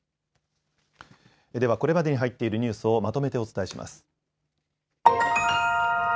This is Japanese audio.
ではこれまでに入っているニュースをまとめてお伝えします。